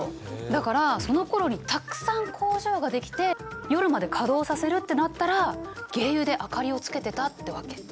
だからそのころにたくさん工場が出来て夜まで稼働させるってなったら鯨油で明かりをつけてたってわけ。